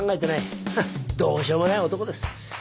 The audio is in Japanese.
フンッどうしようもない男です。